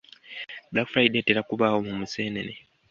Black Friday etera kubaawo mu Museenene.